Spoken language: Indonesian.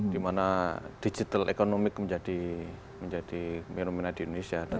dimana digital economic menjadi fenomena di indonesia